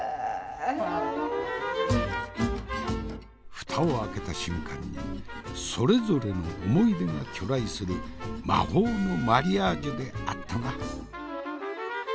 蓋を開けた瞬間にそれぞれの思い出が去来する魔法のマリアージュであったな。